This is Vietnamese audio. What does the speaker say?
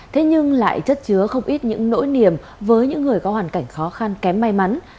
thế nhưng lại chất chứa không ít những nỗi niềm với những người có hoàn cảnh khó khăn kém may mắn